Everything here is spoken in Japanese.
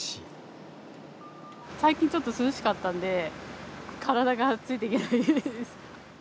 最近ちょっと涼しかったんで、体がついていけないです。